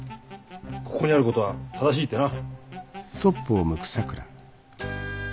ここにあることは正しいってな。